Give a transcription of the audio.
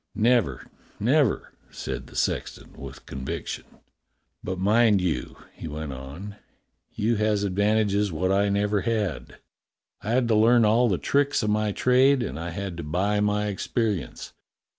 "Never, never!" said the sexton with conviction. "But mind you," he went on, "you has advantages wot I never had. I had to learn all the tricks o' my trade, and I had to buy my experience.